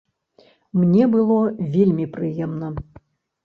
Мне было вельмі прыемна.